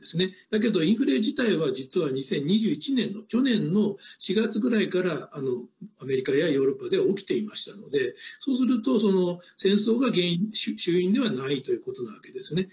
だけど、インフレ自体は実は、２０２１年の去年の４月ぐらいからアメリカやヨーロッパでは起きていましたのでそうすると、その戦争が主因ではないということなわけですね。